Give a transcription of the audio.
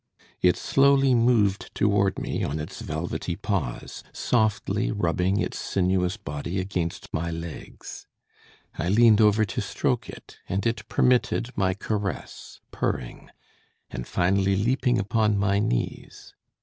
"It slowly moved toward me on its velvety paws, softly rubbing its sinuous body against my legs. I leaned over to stroke it, and it permitted my caress, purring, and finally leaping upon my knees.